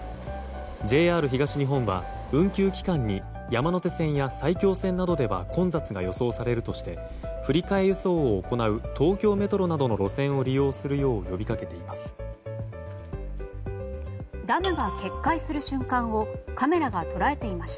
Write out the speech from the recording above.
ＪＲ東日本は、運休期間に山手線や埼京線などでは混雑が予想されるとして振り替え輸送を行う東京メトロなどの路線を利用するよう呼びかけています。